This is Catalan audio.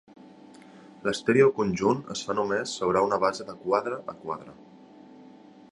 L'estèreo conjunt es fa només sobre una base de quadre a quadre.